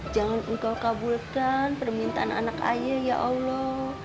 jangan engkau kabulkan permintaan anak ayah ya allah